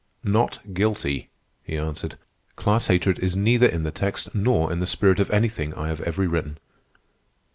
"Not guilty," he answered. "Class hatred is neither in the text nor in the spirit of anything I have ever written."